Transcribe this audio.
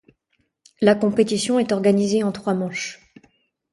La compétition est organisée en trois manches.